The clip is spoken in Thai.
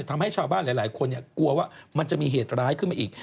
ทำให้ชาวบ้านหลายคนกลัวว่ามันจะมีเหตุร้ายขึ้นมาอีก